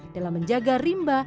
dalam menjaga rimba